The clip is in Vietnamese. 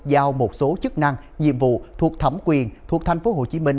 giao một số chức năng nhiệm vụ thuộc thẩm quyền thuộc tp hcm